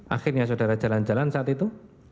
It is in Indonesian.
akhirnya saudara jalan jalan saat itu